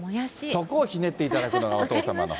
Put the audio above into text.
そこはひねっていただくのが、お父様の。